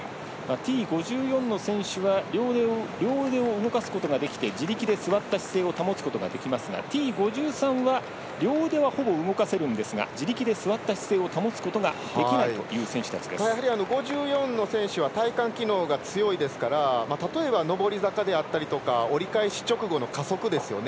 Ｔ５４の選手は両腕を動かすことができて自力で座った姿勢を保つことができますがＴ５３は両腕は動かせるんですが自力で座った姿勢を保つことができないという５４の選手は体幹機能が強いですから例えば上り坂であったりとか折り返し直後の加速ですよね。